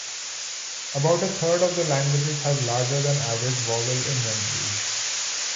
About a third of the languages have larger than average vowel inventories.